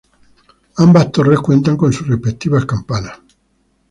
Ambas torres cuentan con sus respectivas campanas.